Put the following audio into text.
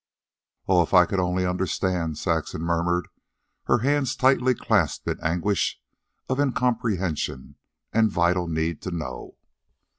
"Oh, if I could only understand!" Saxon murmured, her hands tightly clasped in anguish of incomprehension and vital need to know.